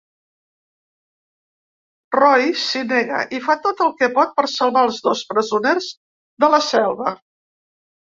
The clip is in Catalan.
Royce s'hi nega i fa tot el que pot per salvar els dos "presoners" de la selva.